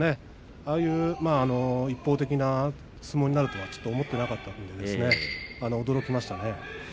ああいう一方的な相撲になるとは思っていなかったので驚きました。